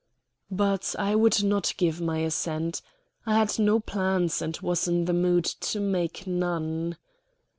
But I would not give my assent. I had no plans, and was in the mood to make none.